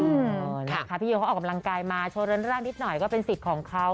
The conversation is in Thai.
นะคะพี่โยเขาออกกำลังกายมาโชว์เรือนร่างนิดหน่อยก็เป็นสิทธิ์ของเขา